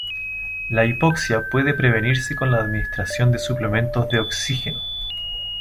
La hipoxia puede prevenirse con la administración de suplementos de oxígeno.